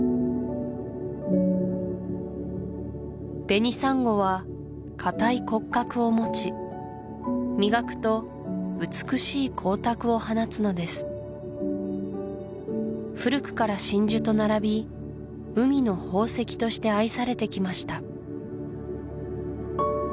ベニサンゴは硬い骨格を持ち磨くと美しい光沢を放つのです古くから真珠と並び海の宝石として愛されてきました